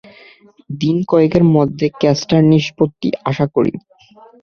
দিন কয়েকের মধ্যে কেসটার নিষ্পত্তি আশা করি।